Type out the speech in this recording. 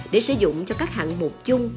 để sử dụng cho các hạng mục chung